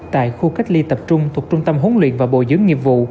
tại khu cách ly tập trung thuộc trung tâm huấn luyện và bồi dưỡng nghiệp vụ